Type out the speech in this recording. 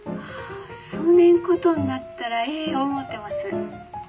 「そねんことになったらええ思うてます」。